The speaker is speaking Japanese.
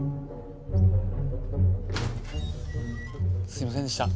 すいませんでした。